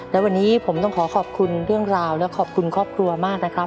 และวันนี้ผมต้องขอขอบคุณเรื่องราวและขอบคุณครอบครัวมากนะครับ